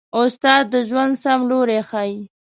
استاد د ژوند سم لوری ښيي.